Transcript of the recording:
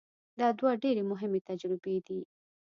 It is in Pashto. دا دوه ډېرې مهمې تجربې دي.